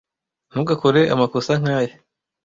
Ntugakore amakosa nkaya.